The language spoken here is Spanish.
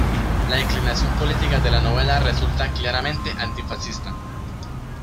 La inclinación política de la novela resulta claramente antifascista.